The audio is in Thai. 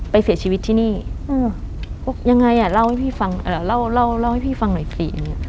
ไปเสียชีวิตที่นี่อืมบอกยังไงอ่ะเล่าให้พี่ฟังเอ่อเล่าเล่าเล่าให้พี่ฟังหน่อยสิ